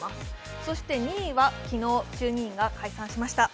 そして２位は昨日、衆議院が解散しました。